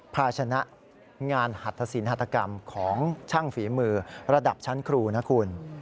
ภาชนะงานหัตถสินหัตกรรมของช่างฝีมือระดับชั้นครูนะคุณ